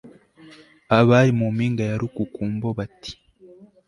abari mu mpinga ya Rukukumbo bati